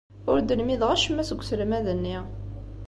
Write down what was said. Ur d-lmideɣ acemma seg uselmad-nni.